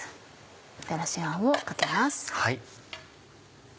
みたらしあんをかけます。